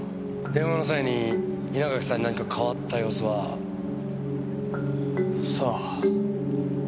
電話の際に稲垣さんに何か変わった様子は？さあ。